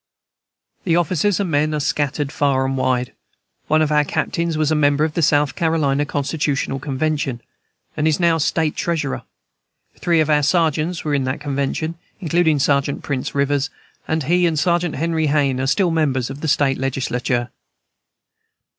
The officers and men are scattered far and wide. One of our captains was a member of the South Carolina Constitutional Convention, and is now State Treasurer; three of our sergeants were in that Convention, including Sergeant Prince Rivers; and he and Sergeant Henry Hayne are still members of the State Legislature.